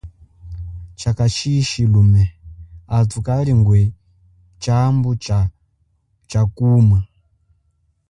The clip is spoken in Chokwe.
Chakashishi lume, athu kalingwe tshambu cha kuma.